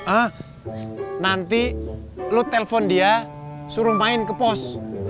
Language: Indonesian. ah nanti lo telpon dia suruh main ke pos